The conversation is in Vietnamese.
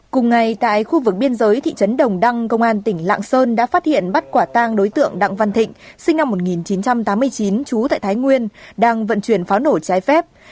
cùng ngày tại khu vực biên giới thị trấn đồng đăng công an tỉnh lạng sơn đã phát hiện bắt quả tang đối tượng đặng văn thịnh sinh năm một nghìn chín trăm tám mươi chín trú tại thái nguyên đang vận chuyển pháo nổ trái phép